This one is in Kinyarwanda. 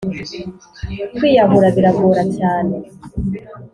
kwiyahura biragora cyane